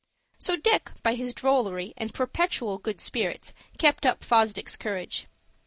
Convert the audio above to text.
So Dick by his drollery and perpetual good spirits kept up Fosdick's courage.